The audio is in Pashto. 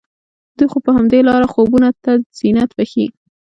دوی خو په همدې لاره خوبونو ته زينت بښي